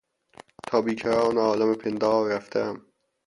... تا بیکران عالم پندار رفتهام.